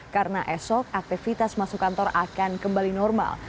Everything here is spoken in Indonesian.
karena esok aktivitas masuk kantor akan kembali normal